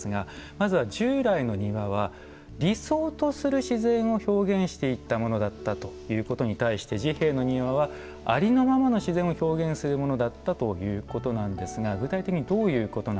まずは従来の庭は理想とする自然を表現していったものだったということに対して治兵衛の庭はありのままの自然を表現するものだったということなんですが具体的にどういうことなのか。